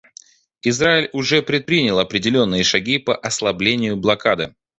Израиль уже предпринял определенные шаги по ослаблению блокады.